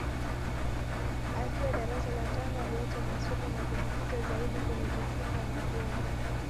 Akiwa darasa la tano aliacha masomo na kujikita zaidi kwenye kuchunga nâgombe